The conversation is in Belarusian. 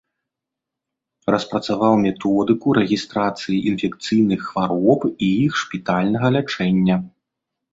Распрацаваў методыку рэгістрацыі інфекцыйных хвароб і іх шпітальнага лячэння.